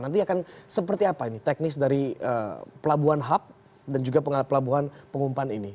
nanti akan seperti apa ini teknis dari pelabuhan hub dan juga pelabuhan pengumpan ini